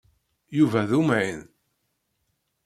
Yuba d umɛin.